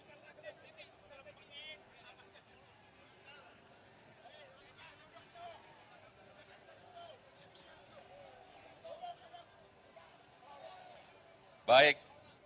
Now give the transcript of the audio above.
kita tetap duduk